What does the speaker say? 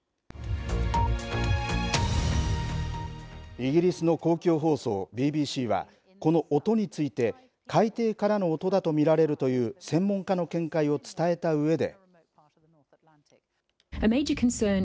イギリスの公共放送ＢＢＣはこの音について海底からの音だと見られるという専門家の見解を伝えたうえで。